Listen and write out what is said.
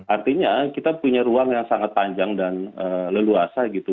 artinya kita punya ruang yang sangat panjang dan leluasa gitu